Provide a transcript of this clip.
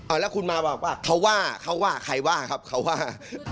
แล้วคุณมาบอกว่าเขาว่าเขาว่าใครว่าครับเขาว่า